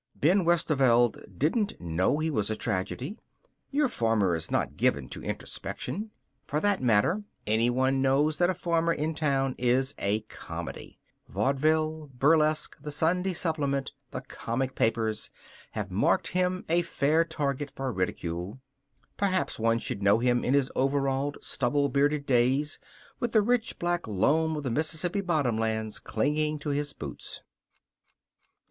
Ben Westerveld didn't know he was a tragedy. Your farmer is not given to introspection. For that matter, anyone knows that a farmer in town is a comedy. Vaudeville, burlesque, the Sunday supplement, the comic papers, have marked him a fair target for ridicule. Perhaps one should know him in his overalled, stubble bearded days, with the rich black loam of the Mississippi bottomlands clinging to his boots.